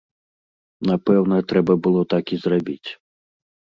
Напэўна, трэба было так і зрабіць.